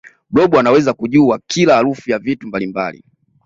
blob anaweza kujua kila harufu ya vitu mbalimbali